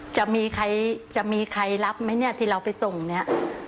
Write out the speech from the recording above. จะมีใครจะมีใครรับมั้ยเนี่ยที่เราไปตรงนี้